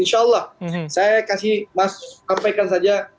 insya allah saya kasih mas sampaikan saja